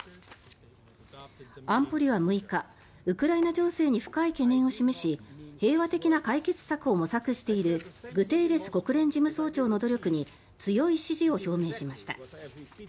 安保理は６日ウクライナ情勢に深い懸念を示し平和的な解決策を模索しているグテーレス事務総長の努力に強い支持を表明しました。